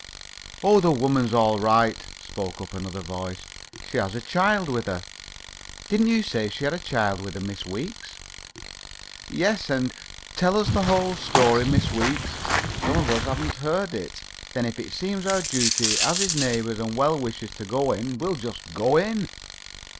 "Oh, the woman's all right," spoke up another voice. "She has a child with her. Didn't you say she had a child with her, Miss Weeks?" "Yes, and " "Tell us the whole story, Miss Weeks. Some of us haven't heard it. Then if it seems our duty as his neighbours and well wishers to go in, we'll just go in."